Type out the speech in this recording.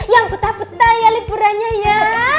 yang peta peta ya liburannya ya